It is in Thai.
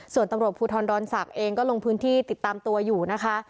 ส่วนตำรวจภูทรดอนศักดิ์เองก็ลงพื้นที่ติดตามตัวอยู่นะคะ